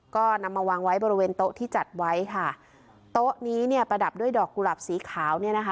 ก็นำมาวางไว้บริเวณโต๊ะที่จัดไว้ค่ะโต๊ะนี้เนี่ยประดับด้วยดอกกุหลับสีขาวเนี่ยนะคะ